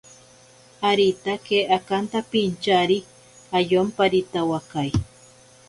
Aritake akantapintyari ayomparitawakai.